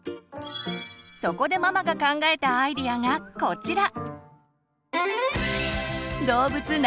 そこでママが考えたアイデアがこちら！